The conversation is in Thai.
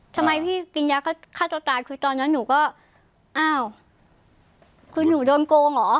ทำไมพี่กินยาฆ่าตัวตายคือตอนนั้นหนูก็อ้าวคือหนูโดนโกงเหรอ